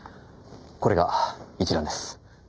これが一覧です。